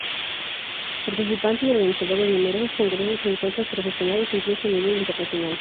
Participante y organizador de numerosos congresos y encuentros profesionales incluso a nivel internacional.